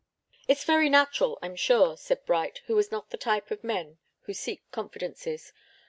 "It's very natural, I'm sure," said Bright, who was not the type of men who seek confidences.